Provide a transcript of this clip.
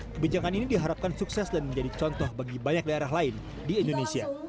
kebijakan ini diharapkan sukses dan menjadi contoh bagi banyak daerah lain di indonesia